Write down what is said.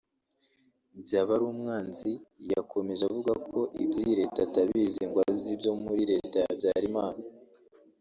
Byabarumwanzi yakomeje avuga ko iby’iyi Leta atabizi ngo azi ibyo muri Leta ya Habyalimana